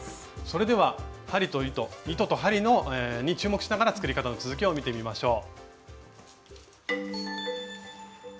それでは針と糸に注目しながら作り方の続きを見てみましょう。